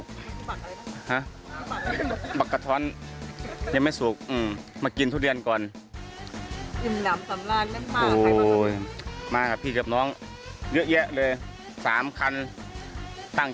ครับบักกะท้อนยังไม่สุกมากินทุเรียนก่อน